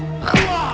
kalian gak akan nyesel